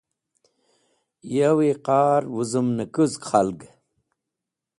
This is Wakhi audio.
Yawi qar wẽzũmnẽkũzg k̃halg.